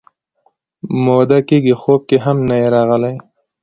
موده کېږي خوب کې هم نه یې راغلی